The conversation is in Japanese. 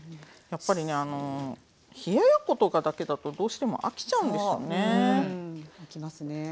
やっぱりね冷ややっことかだけだとどうしても飽きちゃうんですよね。